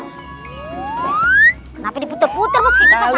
kenapa diputer puter bos kita pasangin